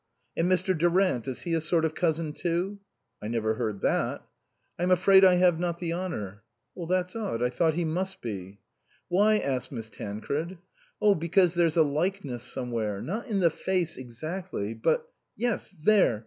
"And Mr. Durant, is he a sort of cousin, too?" " I never heard that." " I'm afraid I have not the honour." " That's odd. I thought he must be." " Why ?" asked Miss Tancred. " Oh, because there's a likeness somewhere. Not in the face exactly, but yes, there